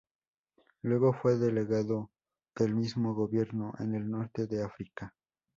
Luego fue delegado del mismo gobierno en el Norte de África.